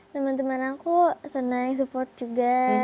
teman teman aku senang support juga